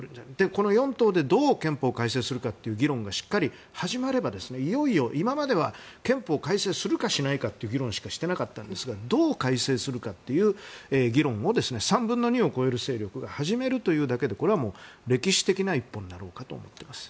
この４党でどう憲法を改正するかという議論がしっかり始まればいよいよ、今までは憲法改正するかしないかという議論しかしていなかったですがどう改正するかという議論を３分の２を超える勢力が始めるだけでこれは歴史的な一歩になろうかと思っています。